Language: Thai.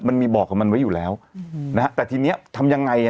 มันมีบอกกับมันไว้อยู่แล้วอืมนะฮะแต่ทีเนี้ยทำยังไงอ่ะ